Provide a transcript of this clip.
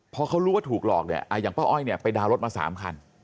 พอเขารู้ว่าถูกหลอกอย่างป้าอ้อยไปดาวรถมา๓คัน